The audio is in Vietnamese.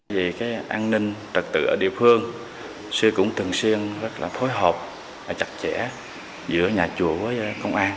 vì an ninh trật tự ở địa phương sư cũng thường xuyên rất là phối hợp chặt chẽ giữa nhà chùa với công an